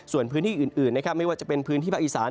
ส่วนพื้นที่อื่นนะครับไม่ว่าจะเป็นพื้นที่ภาคอีสาน